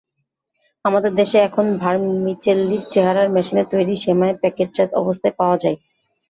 আমাদের দেশে এখন ভারমিচেল্লির চেহারার মেশিনে তৈরি সেমাই প্যাকেটজাত অবস্থায় পাওয়া যায়।